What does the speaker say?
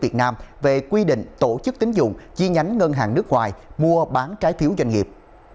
việt nam về quy định tổ chức tính dụng chi nhánh ngân hàng nước ngoài mua bán trái phiếu doanh nghiệp